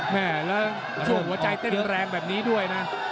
แม่แล้วช่วงหัวใจเต้นแรงแบบนี้ด้วยนะ